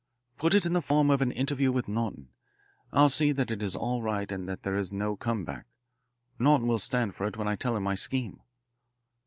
Put it in the form of an interview with Norton I'll see that it is all right and that there is no come back. Norton will stand for it when I tell him my scheme."